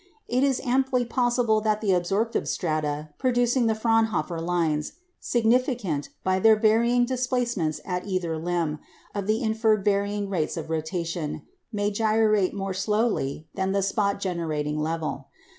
It is amply possible that the absorptive strata producing the Fraunhofer lines, significant, by their varying displacements at either limb, of the inferred varying rates of rotation, may gyrate more slowly than the spot generating level.